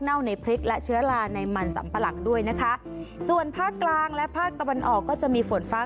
ในพริกและเชื้อลาในมันสัมปะหลังด้วยนะคะส่วนภาคกลางและภาคตะวันออกก็จะมีฝนฟ้า